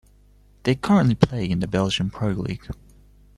They currently play in the Belgian Pro League.